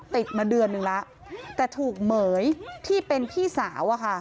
ติดมาเดือนนึงแล้วแต่ถูกเหม๋ยที่เป็นพี่สาว